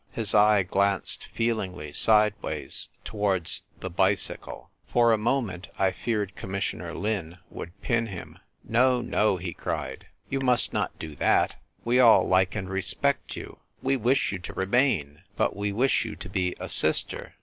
His eye glanced feelingly sideways towards the bicycle. For a moment I feared Commissioner Lin would pin him. " No, no," he cried. "You 80 THE TYPE WRITER GIRL. must not do that. We all like and respect you. We wish you to remain. But we wish you to be a sister.